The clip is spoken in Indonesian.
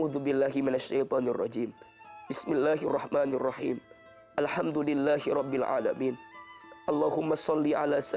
dan kita mencari ilmu yang berharga